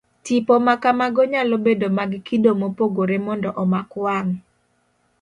Tipo ma kamago nyalobedo mag kido mopogore mondo omak wang'.